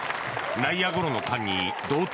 内野ゴロの間に同点。